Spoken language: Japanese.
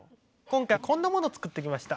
今回こんなものを作ってきました。